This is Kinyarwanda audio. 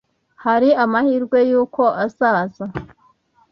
Hari amahirwe yuko azaza?